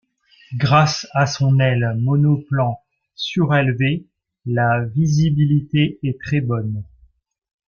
Grâce à son aile monoplan surélevée la visibilité est très bonne.